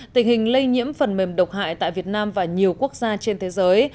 tình hình lây nhiễm phần mềm độc hại tại việt nam và nhiều quốc gia trên thế giới